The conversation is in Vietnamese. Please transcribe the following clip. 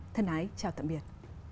thân ái chào tạm biệt